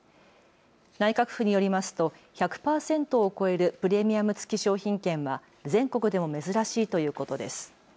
内閣府によりますと１００％を超えるプレミアム付き商品券は全国でも珍しいということです。